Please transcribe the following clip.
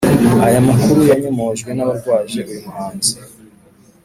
aya makuru yanyomojwe n'abarwaje uyu muhanzi